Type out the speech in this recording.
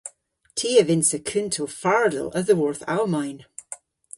Ty a vynnsa kuntel fardel a-dhyworth Almayn.